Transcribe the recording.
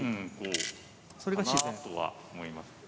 それが自然とは思いますよね。